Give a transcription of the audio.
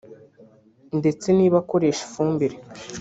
ndetse niba akoresha ifumbire